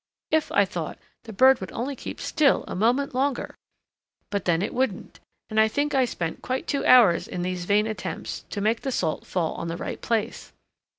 If, I thought, the bird would only keep still a moment longer! But then it wouldn't, and I think I spent quite two hours in these vain attempts to make the salt fall on the right place.